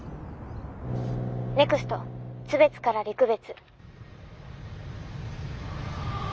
ネクスト津別から陸別。